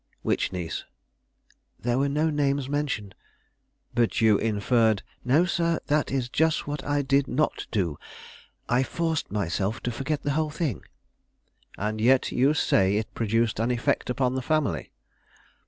"Which niece?" "There were no names mentioned." "But you inferred " "No, sir; that is just what I did not do. I forced myself to forget the whole thing." "And yet you say it produced an effect upon the family?"